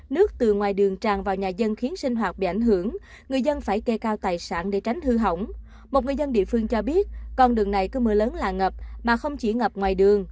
nước từ ngoài đường tràn vào nhà dân khiến sinh hoạt bị ảnh hưởng